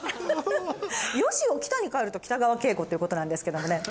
「吉」を「北」に変えると北川景子っていうことなんですけどもね。